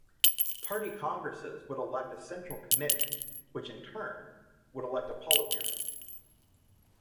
Party Congresses would elect a Central Committee which, in turn, would elect a Politburo.